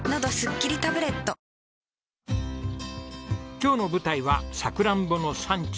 今日の舞台はさくらんぼの産地